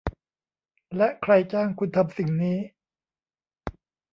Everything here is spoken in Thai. และใครจ้างคุณทำสิ่งนี้